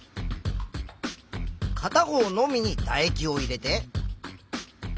かた方のみにだ液を入れて。